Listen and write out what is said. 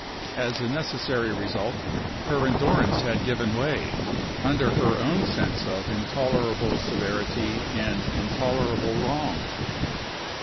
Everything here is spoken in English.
As a necessary result, her endurance had given way under her own sense of intolerable severity and intolerable wrong.